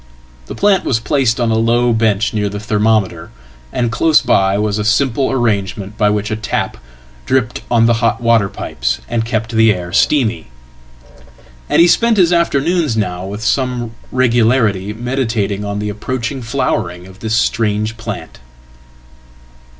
The plant was placedon a low bench near the thermometer, and close by was a simple arrangementby which a tap dripped on the hot water pipes and kept the air steamy. Andhe spent his afternoons now with some regularity meditating on theapproaching flowering of this strange plant.